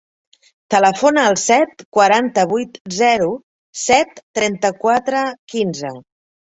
Telefona al set, quaranta-vuit, zero, set, trenta-quatre, quinze.